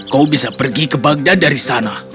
kau bisa pergi ke bagdan dari sana